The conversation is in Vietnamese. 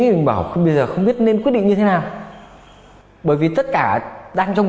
để không bỏ lỡ những video hấp dẫn